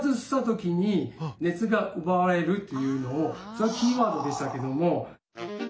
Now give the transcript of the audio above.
それキーワードでしたけども。